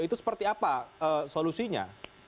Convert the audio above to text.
itu seperti apa solusinya